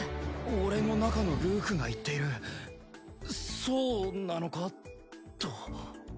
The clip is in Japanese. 俺の中のルークが言っているそうなのか？と。